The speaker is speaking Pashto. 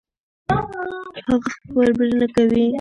هغه خبرې نه کوي.